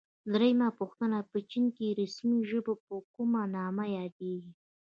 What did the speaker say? درېمه پوښتنه: په چین کې رسمي ژبه په کوم نامه یادیږي؟